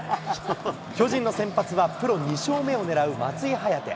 巨人の先発はプロ２勝目を狙う松井颯。